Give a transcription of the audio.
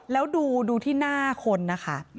แล้วดูที่หน้าคนนะคะ